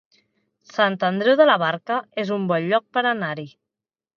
Sant Andreu de la Barca es un bon lloc per anar-hi